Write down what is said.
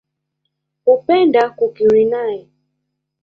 Hupenda kukiri nae.